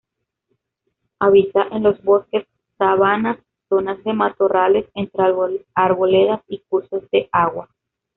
Habita en los bosques, sabanas, zonas de matorrales entre arboledas y cursos de agua.